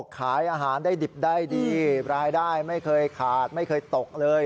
ขายอาหารได้ดิบได้ดีรายได้ไม่เคยขาดไม่เคยตกเลย